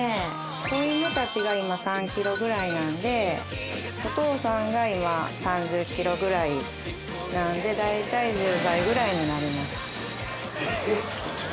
子犬たちが今３ｋｇぐらいなんでお父さんが今３０ｋｇぐらいなんでだいたい１０倍ぐらいになります。